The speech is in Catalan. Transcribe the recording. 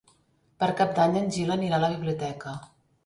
Per Cap d'Any en Gil anirà a la biblioteca.